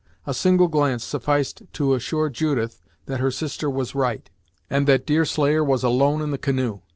A single glance sufficed to assure Judith that her sister was right, and that Deerslayer was alone in the canoe.